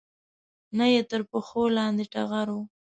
نه یې تر پښو لاندې ټغر و